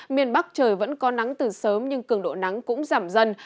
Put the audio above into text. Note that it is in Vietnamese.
miền bắc trời vẫn có nắng từ sớm nhưng cường độ nắng cũng giảm dần